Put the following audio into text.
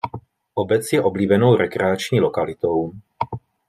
Obec je oblíbenou rekreační lokalitou.